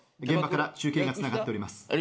現場から中継がつながっております。